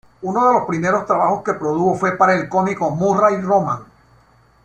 Uno de los primeros trabajos que produjo fue para el cómico Murray Roman.